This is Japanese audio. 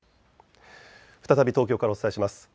再び東京からお伝えします。